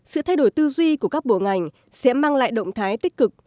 sự thay đổi tư duy của các bộ ngành sẽ mang lại động thái tích cực